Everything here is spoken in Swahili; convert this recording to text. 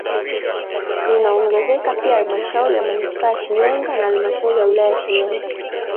Inaongezeka pia halmashauri ya manispaa ya Shinyanga na halmasdhauri ya wilaya ya Shinyanga